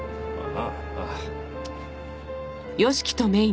ああ。